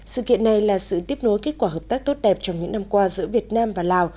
sự kiện này là sự tiếp nối kết quả hợp tác tốt đẹp trong những năm qua giữa việt nam và lào